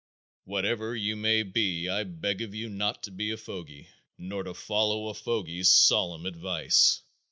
Whatever you may be I beg of you not to be a fogy, nor to follow a fogy's solemn advice.